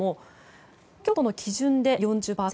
東京都の基準で４０％